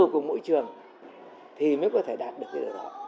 tự chủ của mỗi trường thì mới có thể đạt được cái được đó